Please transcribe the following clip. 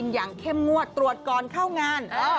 เข้มงวดตรวจก่อนเข้างาน